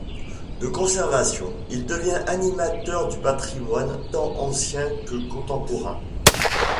De conservation, il devient animateur du patrimoine tant ancien que contemporain.